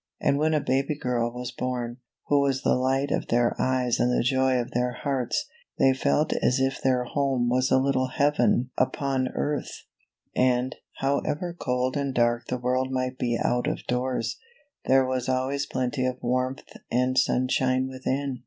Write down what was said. And when a baby girl was born, who was the light of their eyes and the joy of their hearts, they felt as if their home was a little heaven upon 19 CINDERELLA , OR THE LITTLE GLASS SLIPPER. earth ; and, however cold and dark the world might be out of doors, there was always plenty of warmth and sunshine within.